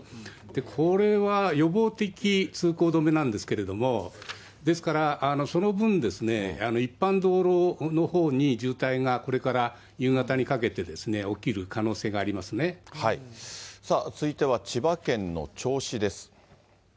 これは予防的通行止めなんですけれども、ですから、その分ですね、一般道路のほうに渋滞がこれから夕方にかけて起きる可能性がありさあ、続いては千葉県の銚子です。